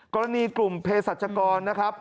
กรณีกลุ่มเพศรัชกรนะครับ